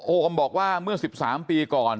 โอมบอกว่าเมื่อ๑๓ปีก่อน